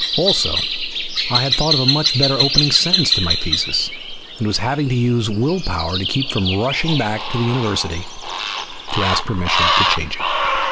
Also, I had thought of a much better opening sentence to my thesis, and was having to use will power to keep from rushing back to the university to ask permission to change it.